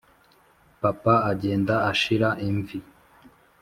papa agenda ashira imvi,